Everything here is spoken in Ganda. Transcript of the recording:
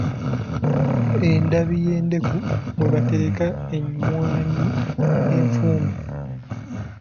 Endabi ye ndeku mwe batereka emmwaanyi enfumbe.